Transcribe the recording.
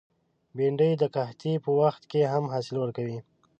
بېنډۍ د قحطۍ په وخت کې هم حاصل ورکوي